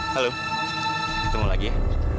halo ketemu lagi ya